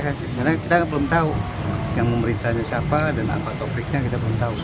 karena kita belum tahu yang pemeriksaannya siapa dan apa topiknya kita belum tahu